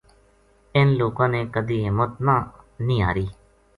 اِنھ لوکاں نے کَدی ہمت نیہہ ہاری